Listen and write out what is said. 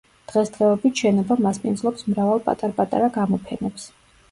დღესდღეობით შენობა მასპინძლობს მრავალ პატარ-პატარა გამოფენებს.